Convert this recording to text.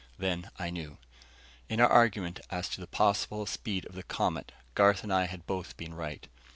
Then I knew. In our argument as to the possible speed of the Comet, Garth and I had both been right.